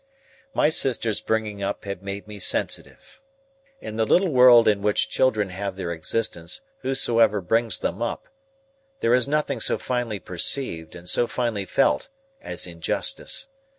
My sister's bringing up had made me sensitive. In the little world in which children have their existence whosoever brings them up, there is nothing so finely perceived and so finely felt as injustice.